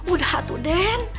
udah tuh den